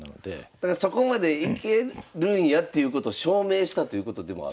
だからそこまでいけるんやっていうことを証明したということでもあるわけですか。